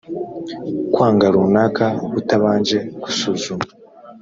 kwanga runaka utabanje gusuzuma